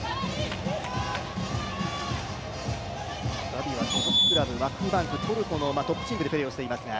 ガビは所属クラブ、ワクフバンク、トルコのトップチームでプレーをしていますが。